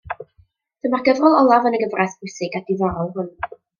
Dyma'r gyfrol olaf yn y gyfres bwysig a diddorol hon.